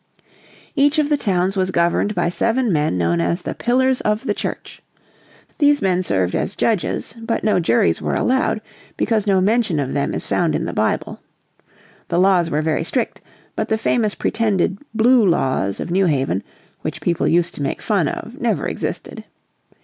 Each of the towns was governed by seven men known as the Pillars of the Church. These men served as judges, but no juries were allowed, because no mention of them is found in the Bible. The laws were very strict, but the famous pretended "Blue Laws" of New Haven, which people used to make fun of, never existed.